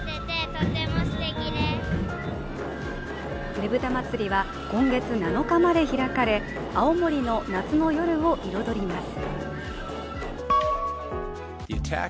ねぶた祭は今月７日まで開かれ青森の夏の夜を彩ります。